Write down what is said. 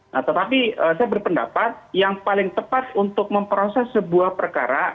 nah tetapi saya berpendapat yang paling tepat untuk memproses sebuah perkara